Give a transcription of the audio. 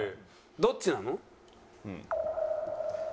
どっちなの？